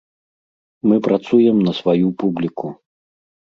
Мы працуем на сваю публіку.